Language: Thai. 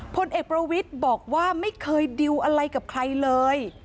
พลเอกประวิทย์บอกว่าไม่เคยดิวอะไรกับใครเลย